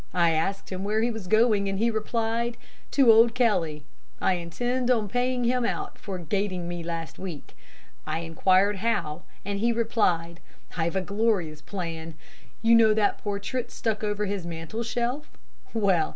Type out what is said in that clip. I asked him where he was going, and he replied, "To old Kelly. I intend paying him out for 'gating' me last week." I enquired how, and he replied: "I've a glorious plan. You know that portrait stuck over his mantel shelf? Well!